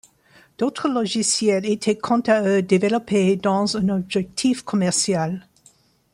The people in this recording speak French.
D'autres logiciels étaient quant à eux développés dans un objectif commercial.